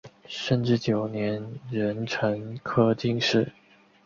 顺治九年壬辰科进士。